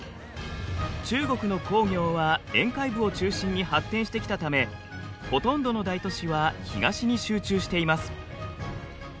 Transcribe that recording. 中国の工業は沿海部を中心に発展してきたためほとんどの大都市は東に集中しています。